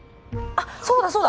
あっそうだそうだ！